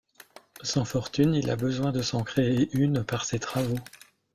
Sans fortune, il a besoin de s’en créer une par ses travaux.